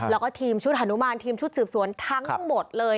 แล้วก็ทีมชุดฮานุมานทีมชุดสืบสวนทั้งหมดเลย